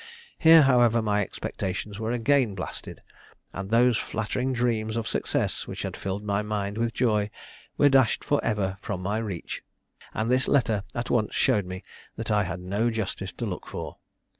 Here, however, my expectations were again blasted, and those flattering dreams of success which had filled my mind with joy were dashed for ever from my reach; and this letter at once showed me that I had no justice to look for."